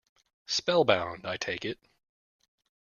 Spell-bound, I take it.